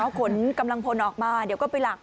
เขาขนกำลังพลออกมาเดี๋ยวก็ไปหลัก